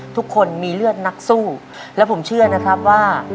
ทุกคนมีเลือดนักสู้และผมเชื่อนะครับว่า